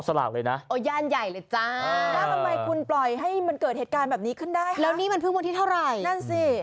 สนามบีน้ำเนี่ยคือคนที่โพสต์เนี่ยเป็นคนขายลัตเตอรี่